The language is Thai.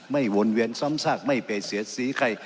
วนเวียนซ้ำซากไม่ไปเสียสีใคร